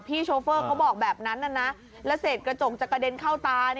พี่โชเฟอร์เขาบอกแบบนั้นและเสียดกระจกจะกระเด็นเข้าตา